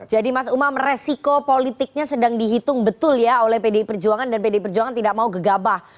jadi mas umam resiko politiknya sedang dihitung betul ya oleh pdi perjuangan dan pdi perjuangan tidak mau gegabah